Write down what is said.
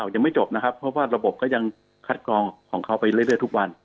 ยังไม่จบนะครับเพราะว่าระบบก็ยังคัดกรองของเขาไปเรื่อยทุกวัน